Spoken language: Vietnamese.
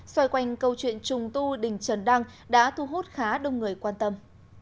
xoay quanh câu chuyện trùng tu đình trần đăng đã thu hút khá đông người quan tâm